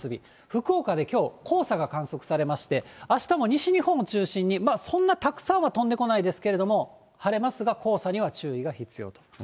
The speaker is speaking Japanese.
福岡できょう、黄砂が観測されまして、あしたも西日本を中心に、そんなたくさんは飛んでこないですけれども、晴れますが、黄砂には注意が必要と。